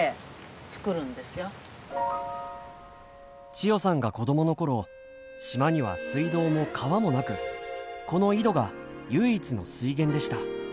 千代さんが子供のころ島には水道も川もなくこの井戸が唯一の水源でした。